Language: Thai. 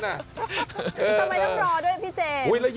ทำไมต้องรอด้วยพี่เจ